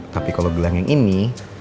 tapi kalau gelang yang ini